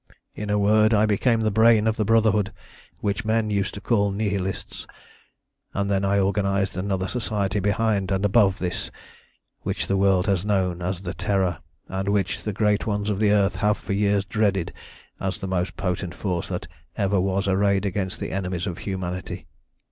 "In a word, I became the brain of the Brotherhood which men used to call Nihilists, and then I organised another Society behind and above this which the world has known as the Terror, and which the great ones of the earth have for years dreaded as the most potent force that ever was arrayed against the enemies of humanity.